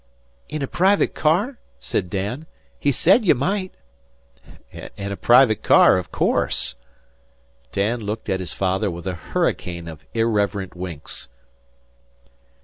"In a private car?" said Dan. "He said ye might." "In a private car, of course." Dan looked at his father with a hurricane of irreverent winks.